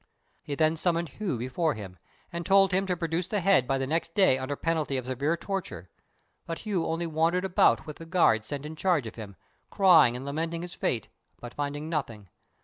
He then summoned Hu before him, and told him to produce the head by the next day under penalty of severe torture; but Hu only wandered about with the guard sent in charge of him, crying and lamenting his fate, but finding nothing.